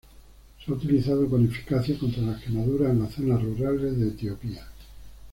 Se ha utilizado con eficacia contra las quemaduras en las zonas rurales de Etiopía.